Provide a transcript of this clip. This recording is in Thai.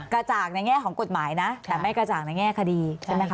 กระจ่างในแง่ของกฎหมายนะแต่ไม่กระจ่างในแง่คดีใช่ไหมคะ